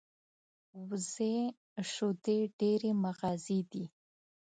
وزې شیدې ډېرې مغذي دي